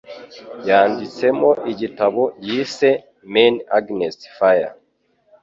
yanditsemo igitabo yise “Men Against Fire